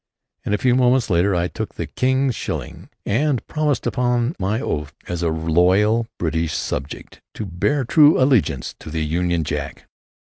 And a few moments later, I took "the King's shilling," and promised, upon my oath as a loyal British subject, to bear true allegiance to the Union Jack.